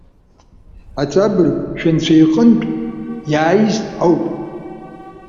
Аҵабырг, шәынцәа иҟынтә иааиз ауп.